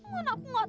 mana aku gak tau